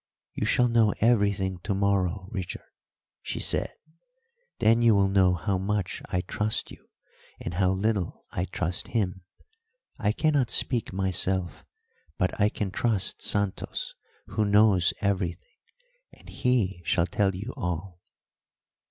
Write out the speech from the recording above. "You shall know everything to morrow, Richard," she said. "Then you will know how much I trust you and how little I trust him. I cannot speak myself, but I can trust Santos, who knows everything, and he shall tell you all."